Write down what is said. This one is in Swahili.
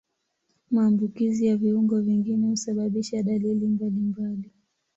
Maambukizi ya viungo vingine husababisha dalili mbalimbali.